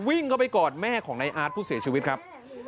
วิ่งเข้าไปกอดแม่ของนายอาร์ตผู้เสียชีวิตครับ